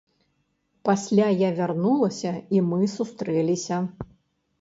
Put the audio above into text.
Пасля я вярнулася і мы сустрэліся.